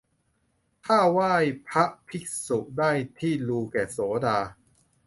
ข้าไหว้พระภิกษุ ที่ได้ลุแก่โสดา